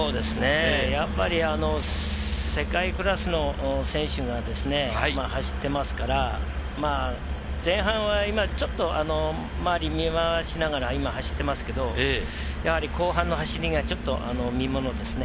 やっぱり世界クラスの選手が走っていますから、前半は今、周りを見回しながら走っていますけれども、後半の走りが見ものですね。